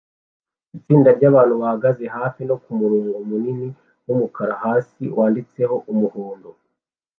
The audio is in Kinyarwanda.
Itsinda ryabantu bahagaze hafi no kumurongo munini wumukara hasi wanditseho umuhondo